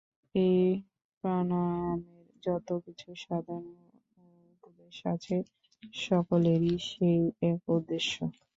এই প্রাণায়ামের যত কিছু সাধন ও উপদেশ আছে, সকলেরই সেই এক উদ্দেশ্য।